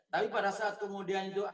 tapi pada saat kemudian